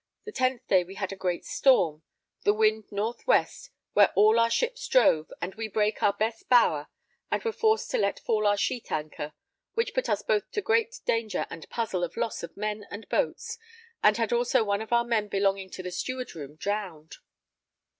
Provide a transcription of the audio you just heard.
The 10th day we had a great storm, the wind north west, where all our ships drove, and we brake our best bower and were forced to let fall our sheet anchor, which put us both to great danger and puzzle of loss of men and boats, and had also one of our men belonging to the steward room drowned.